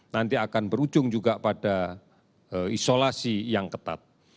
nanti akan berujung juga pada isolasi yang ketat